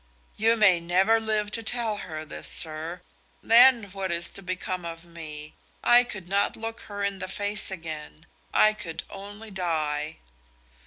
"You may never live to tell her this, sir. Then what is to become of me? I could not look her in the face again. I could only die!"